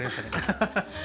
ハハハハ。